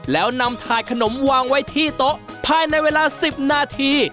แล้วนำถาดขนมวางไว้ที่โต๊ะภายในเวลา๑๐นาที